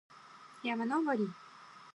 山登り